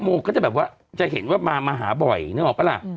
โมก็จะแบบว่าจะเห็นว่ามาหาบ่อยนึกออกปะล่ะ